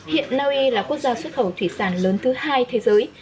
hiện naui là quốc gia xuất khẩu thủy sản lớn thứ hai thế giới